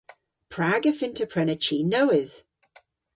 Prag y fynn'ta prena chi nowydh?